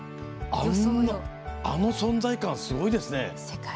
あの存在感すごいですね。